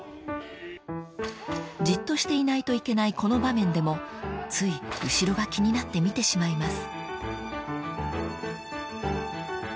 ［じっとしていないといけないこの場面でもつい後ろが気になって見てしまいます］